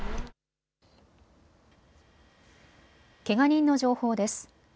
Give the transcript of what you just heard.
けが人の情報です。